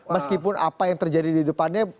meskipun apa yang terjadi di depannya